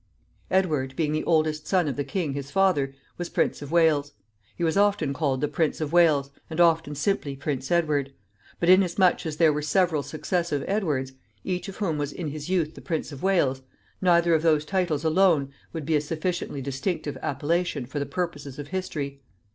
Edward, being the oldest son of the king his father, was Prince of Wales. He was often called the Prince of Wales, and often simply Prince Edward; but, inasmuch as there were several successive Edwards, each of whom was in his youth the Prince of Wales, neither of those titles alone would be a sufficiently distinctive appellation for the purposes of history.